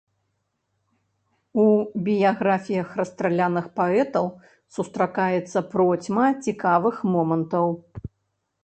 У біяграфіях расстраляных паэтаў сустракаецца процьма цікавых момантаў.